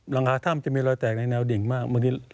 หลังคาถ้ำจะมีลอยแตกในแนวดิ่งมาก